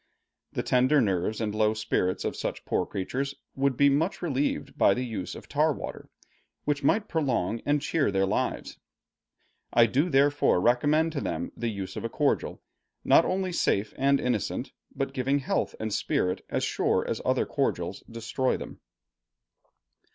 The tender nerves and low spirits of such poor creatures would be much relieved by the use of tar water, which might prolong and cheer their lives. I do therefore recommend to them the use of a cordial, not only safe and innocent, but giving health and spirit as sure as other cordials destroy them.